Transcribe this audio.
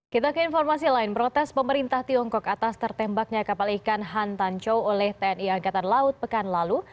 kita ke informasi lain protes pemerintah tiongkok atas tertembaknya kapal ikan han tanco oleh tni angkatan laut pekan lalu